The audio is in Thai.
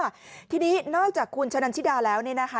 ค่ะทีนี้นอกจากคุณชะนันชิดาแล้วเนี่ยนะคะ